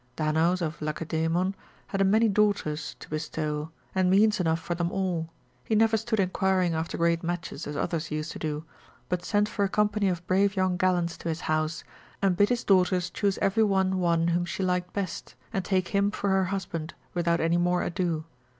Danaus of Lacedaemon had a many daughters to bestow, and means enough for them all, he never stood inquiring after great matches, as others used to do, but sent for a company of brave young gallants to his house, and bid his daughters choose every one one, whom she liked best, and take him for her husband, without any more ado.